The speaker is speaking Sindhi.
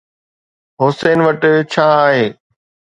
حوثين وٽ ڇا آهي؟